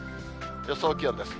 予想気温です。